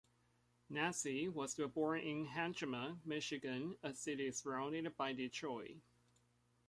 Nedzi was born in Hamtramck, Michigan, a city surrounded by Detroit.